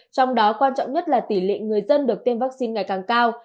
trong đó quan trọng nhất là tỷ lệ người dân được tiêm vaccine ngày càng cao